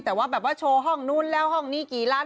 แต่ว่าแบบว่าโชว์ห้องนู้นแล้วห้องนี้กี่ล้าน